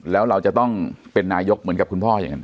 แล้วเราจะต้องเป็นนายกเหมือนกับคุณพ่ออย่างนั้น